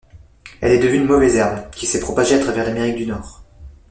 Elle est devenue une mauvaise herbe, qui s'est propagée à travers l'Amérique du Nord.